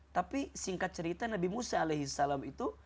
tapi singkat cerita nabi musa alaihis salam itu